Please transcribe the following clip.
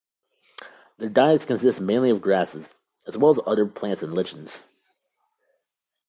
Their diets consist mainly of grasses, as well as other plants and lichens.